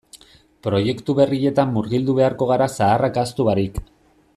Proiektu berrietan murgildu beharko gara zaharrak ahaztu barik.